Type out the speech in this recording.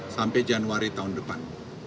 sampai januari tahun depan